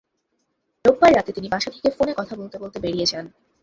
রোববার রাতে তিনি বাসা থেকে ফোনে কথা বলতে বলতে বেরিয়ে যান।